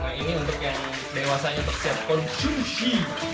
nah ini untuk yang dewasanya untuk siap konsumsi